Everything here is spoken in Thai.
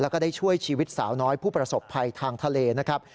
แล้วก็ได้ช่วยชีวิตสาวน้อยผู้ประสบภัยทางทะเลนะครับ